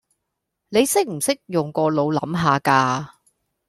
你識唔識用個腦諗吓㗎